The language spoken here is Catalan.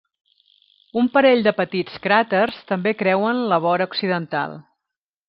Un parell de petits cràters també creuen la vora occidental.